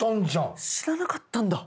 えっ知らなかったんだ。